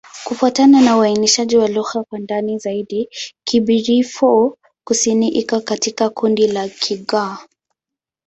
Kufuatana na uainishaji wa lugha kwa ndani zaidi, Kibirifor-Kusini iko katika kundi la Kigur.